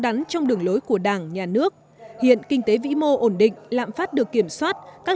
đắn trong đường lối của đảng nhà nước hiện kinh tế vĩ mô ổn định lạm phát được kiểm soát các